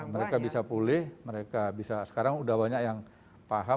mereka bisa pulih mereka bisa sekarang sudah banyak yang paham